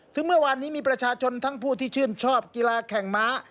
ซึ่งเมื่อวานนี้มีประชาชนทั้งผู้ที่ชื่นชอบกีฬาแข่งม้า